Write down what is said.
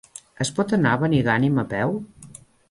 Es pot anar a Benigànim a peu?